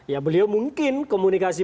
ya beliau mungkin komunikasi